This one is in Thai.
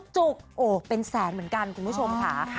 จุกโอ้เป็นแสนเหมือนกันคุณผู้ชมค่ะ